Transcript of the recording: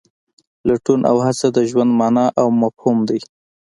لټون او هڅه د ژوند مانا او مفهوم دی.